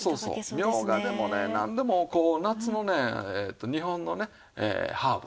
みょうがでもねなんでもこう夏のね日本のねハーブ？